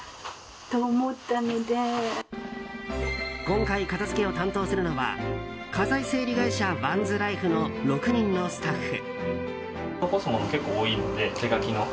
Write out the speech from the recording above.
今回、片づけを担当するのは家財整理会社ワンズライフの６人のスタッフ。